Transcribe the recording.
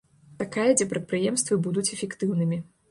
Такая, дзе прадпрыемствы будуць эфектыўнымі.